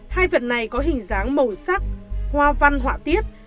hai vật này có hình dáng màu sắc hoa văn họa tiết